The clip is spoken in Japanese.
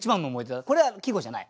これは季語じゃない？